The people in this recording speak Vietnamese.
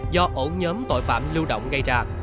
do ổ nhóm tội phạm lưu động gây ra